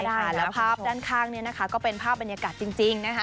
แล้วภาพด้านข้างก็เป็นภาพบรรยากาศจริงนะคะ